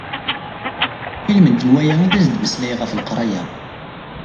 Ilmend n waya i as-d-mmeslay ɣef leqraya.